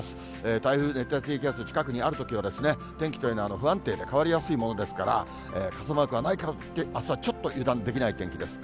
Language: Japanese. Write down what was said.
台風や熱帯低気圧が近くにあるときは、天気というのは不安定で変わりやすいものですから、傘マークはないからって、あすはちょっと油断できない天気です。